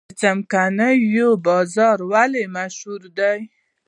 څمکنیو بازار ولې مشهور دی؟